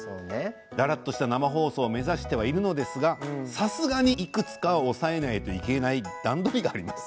だらっとした生放送を目指してはいるのですがさすがにいくつかは押さえないといけない段取りがあります。